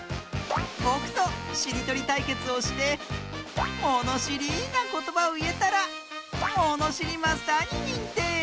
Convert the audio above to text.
ぼくとしりとりたいけつをしてものしりなことばをいえたらものしりマスターににんてい！